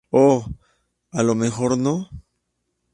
O… a lo mejor no.